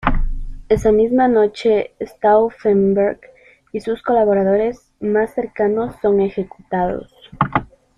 Esa misma noche Stauffenberg y sus colaboradores más cercanos son ejecutados.